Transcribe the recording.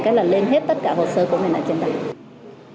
cái là lên hết tất cả hồ sơ của mình ở trên đó